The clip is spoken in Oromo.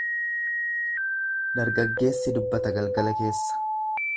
Dargaggeessi dubbata galgala keessa.